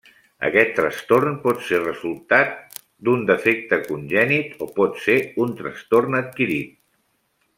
Aquest trastorn pot ser resultar d'un defecte congènit o pot ser un trastorn adquirit.